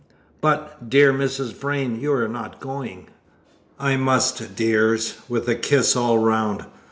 "But, dear Mrs. Vrain, you are not going?" "I must, dears," with a kiss all round.